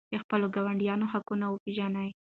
د خپلو ګاونډیانو حقونه وپېژنئ.